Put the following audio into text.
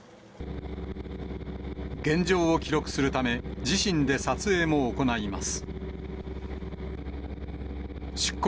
現状を記録するため、自身で撮影も行います。